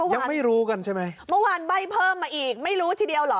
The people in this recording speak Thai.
ยังไม่รู้กันใช่ไหมเมื่อวานใบ้เพิ่มมาอีกไม่รู้ทีเดียวเหรอ